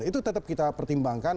itu tetap kita pertimbangkan